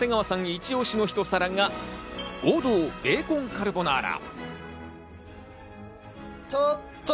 イチ押しのひと皿が、王道ベーコンカルボナーラ。